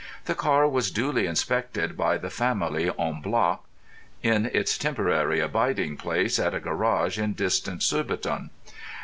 The car was duly inspected by the family en bloc, in its temporary abiding place at a garage in distant Surbiton.